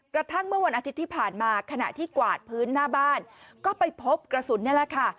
กระทั่งเมื่อวันอาทิตย์ที่ผ่านมาขณะที่กวาดพื้นหน้าบ้านก็ไปพบกระสุนนี่แหละค่ะ